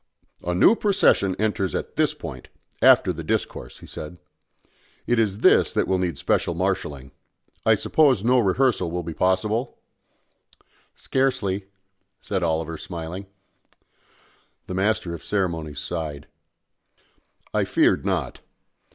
"A new procession enters at this point, after the discourse," he said. "It is this that will need special marshalling. I suppose no rehearsal will be possible?" "Scarcely," said Oliver, smiling. The Master of Ceremonies sighed. "I feared not.